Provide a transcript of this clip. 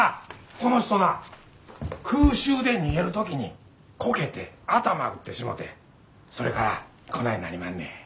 この人な空襲で逃げる時にこけて頭打ってしもてそれからこないなりまんねん。